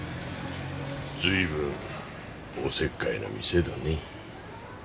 ずいぶんおせっかいな店だね。